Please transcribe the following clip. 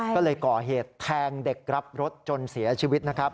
ก็เลยก่อเหตุแทงเด็กรับรถจนเสียชีวิตนะครับ